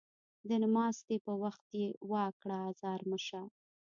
د نماستي په وخت يې وا کړه ازار مه شه